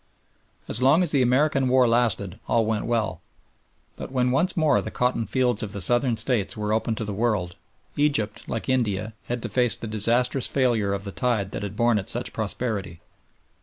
As long as the American War lasted all went well, but when once more the cotton fields of the Southern States were open to the world, Egypt, like India, had to face the disastrous failure of the tide that had borne it such prosperity.